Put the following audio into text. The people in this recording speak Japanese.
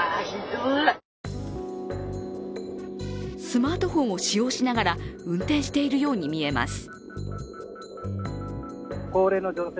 スマートフォンを使用しながら運転しているように見えます。